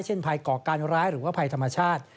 ภัยก่อการร้ายหรือว่าภัยธรรมชาติ